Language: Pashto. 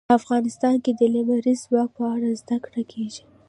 افغانستان کې د لمریز ځواک په اړه زده کړه کېږي.